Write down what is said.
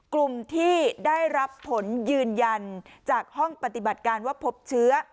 กลุ่มที่ได้รับผลยืนยันจากห้องปฏิบัติการว่าพบเชื้อ